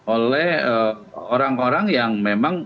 oleh orang orang yang memang